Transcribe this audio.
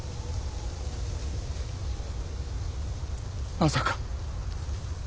まさか。